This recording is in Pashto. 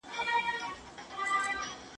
دفاع د ژوند يو مهم اصل دی.